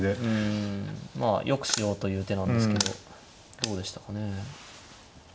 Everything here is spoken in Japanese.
うんまあよくしようという手なんですけどどうでしたかね。